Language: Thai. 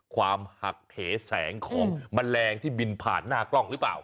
ความหักเหแสงของแมลงที่บินผ่านหน้ากล้องหรือเปล่า